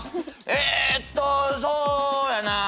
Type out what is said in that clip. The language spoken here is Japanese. えっとそうやな」